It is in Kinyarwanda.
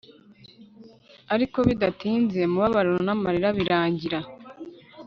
ariko bidatinze mubabaro n'amarira birangira